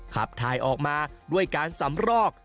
ขับถ่ายออกมาด้วยการสำรอก